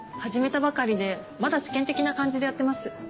始めたばかりでまだ試験的な感じでやってます。